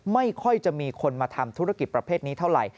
ไม่ค่อยจะมีคนมาทำธุรกิจประเภทนี้เท่าไหร่